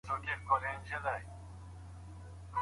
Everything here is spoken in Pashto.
خو انټرنیټ ښوونکی نسي بدلولای.